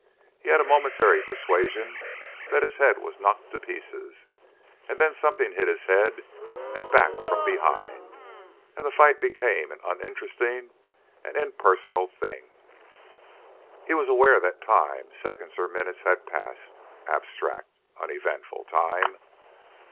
He had a momentary persuasion that his head was knocked to pieces, and then something hit his head and back from behind, and the fight became an uninteresting, an impersonal thing. He was aware that time seconds or minutes had passed, abstract, uneventful time.